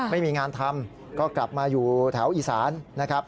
ไม่มีงานทำก็กลับมาอยู่แถวอีสานนะครับ